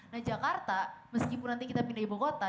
nah jakarta meskipun nanti kita pindah ibu kota